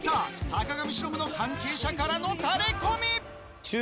坂上忍の関係者からのタレコミ